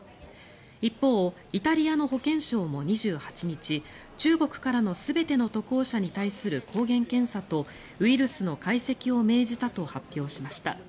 一方、イタリアの保健相も２８日中国からの全ての渡航者に対する抗原検査とウイルスの解析を命じたと発表しました。